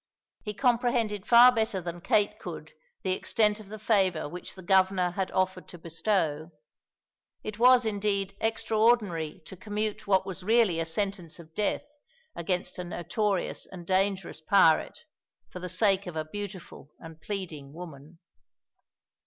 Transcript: He comprehended far better than Kate could the extent of the favour which the Governor had offered to bestow. It was, indeed, extraordinary to commute what was really a sentence of death against a notorious and dangerous pirate for the sake of a beautiful and pleading woman.